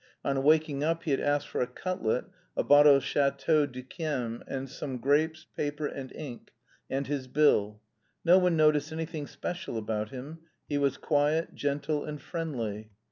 On waking up he had asked for a cutlet, a bottle of Chateau d'Yquem, and some grapes, paper, and ink, and his bill. No one noticed anything special about him; he was quiet, gentle, and friendly.